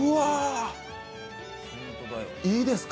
いいですか？